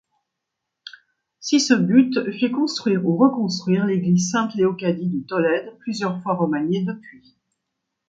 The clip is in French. Sisebut fit construire ou reconstruire l'église Sainte-Léocadie de Tolède, plusieurs fois remaniée depuis.